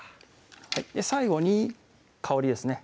最後に香りですね